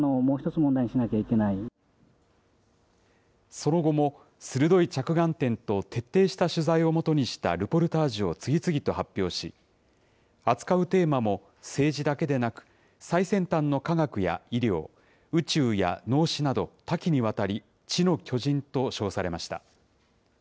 その後も、鋭い着眼点と、徹底した取材を基にしたルポルタージュを次々と発表し、扱うテーマも政治だけでなく、最先端の科学や医療、宇宙や脳死など多岐にわたり、知の巨人と称されました。